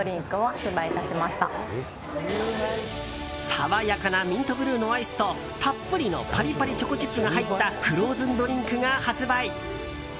爽やかなミントブルーのアイスとたっぷりのパリパリチョコチップが入ったフローズンドリンクが発売。